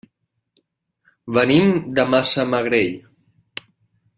Venim de Massamagrell.